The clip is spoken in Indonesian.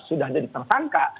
sudah jadi tersangka